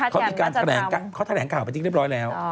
เขาทะแหงกล่าวน์ไปจริงเรียบร้อยแล้ว